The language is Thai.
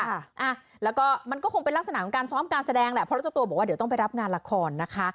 อ่ะแล้วก็มันก็คงเป็นลักษณะของการซ้อมการแสดงแหละเพราะรถเจ้าตัวบอกว่าเดี๋ยวต้องไปรับงานละครนะคะ